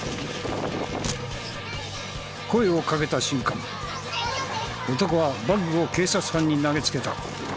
声をかけた瞬間男はバッグを警察官に投げつけた。